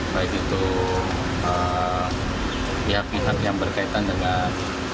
baik itu pihak pihak yang berkaitan dengan